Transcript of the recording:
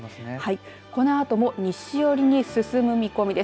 このあとも西寄りに進む見込みです。